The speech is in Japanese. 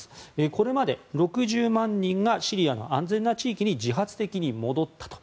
これまで６０万人がシリアの安全な地域に自発的に戻ったと。